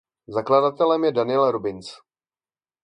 Zakladatelem je Daniel Robbins.